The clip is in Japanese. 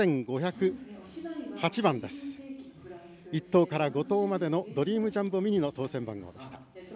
１等から５等までのドリームジャンボミニの当せん番号でした。